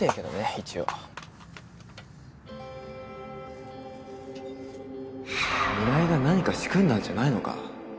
一応村井が何か仕組んだんじゃないのか